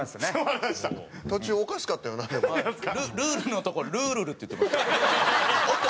ルールのとこ「ルールル」って言ってました。